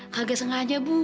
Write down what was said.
kagak sengaja bu